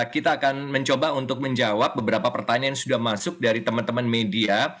kita akan mencoba untuk menjawab beberapa pertanyaan yang sudah masuk dari teman teman media